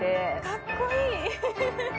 かっこいい！